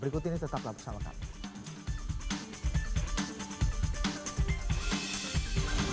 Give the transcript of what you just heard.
berikut ini tetaplah bersama kami